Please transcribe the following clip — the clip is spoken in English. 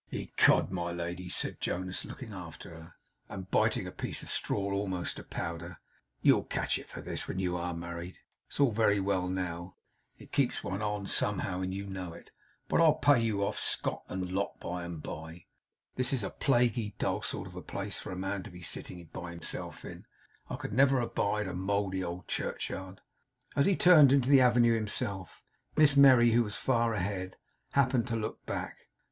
'Ecod, my lady!' said Jonas, looking after her, and biting a piece of straw, almost to powder; 'you'll catch it for this, when you ARE married. It's all very well now it keeps one on, somehow, and you know it but I'll pay you off scot and lot by and bye. This is a plaguey dull sort of a place for a man to be sitting by himself in. I never could abide a mouldy old churchyard.' As he turned into the avenue himself, Miss Merry, who was far ahead, happened to look back.